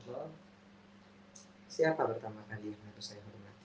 hai siapa pertama kali saya hormati